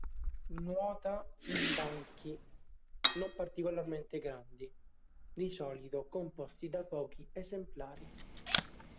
Nuota in banchi non particolarmente grandi, di solito composti da pochi esemplari.